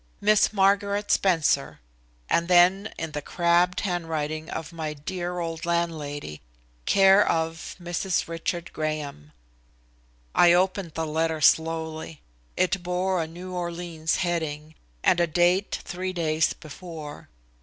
"Miss Margaret Spencer," and then, in the crabbed handwriting of my dear old landlady, "care of Mrs. Richard Graham." I opened the letter slowly. It bore a New Orleans heading, and a date three days before.